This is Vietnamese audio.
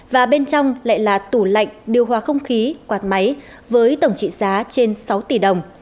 và bên trong lại là tủ lạnh điều hòa không khí quạt máy với tổng trị giá trên sáu tỷ đồng